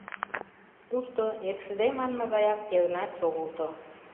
Тушто, эксыде манме гаяк, Йыгнат шогылто.